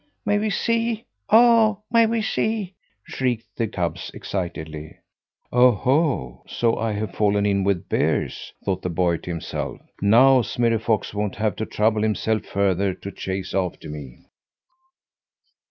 May we see, oh, may we see?" shrieked the cubs excitedly. "Oho! so I've fallen in with bears," thought the boy to himself. "Now Smirre Fox won't have to trouble himself further to chase after me!"